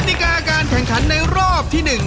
ติกาการแข่งขันในรอบที่๑